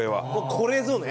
これぞね。